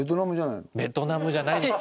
ベトナムじゃないの？